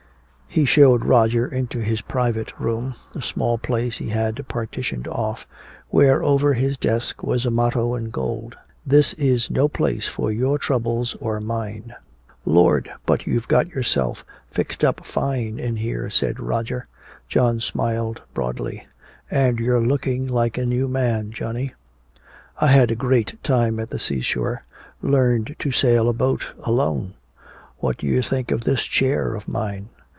He showed Roger into his private room, a small place he had partitioned off, where over his desk was a motto in gold: "This is no place for your troubles or mine." "Lord, but you've got yourself fixed up fine in here," said Roger. John smiled broadly. "And you're looking like a new man, Johnny." "I had a great time at the seashore. Learned to sail a boat alone. What do you think of this chair of mine?"